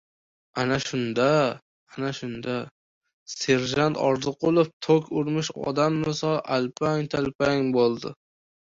Ana shunda... ana shunda, serjant Orziqulov tok urmish odam misol alpang-talpang bo‘ldi.